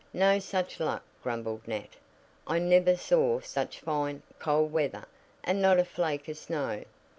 "No such luck," grumbled Nat. "I never saw such fine, cold weather, and not a flake of snow.